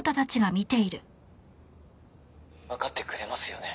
「わかってくれますよね？